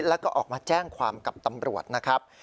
แล้วก็ออกมาแจ้งความกับตำรวจนะครับ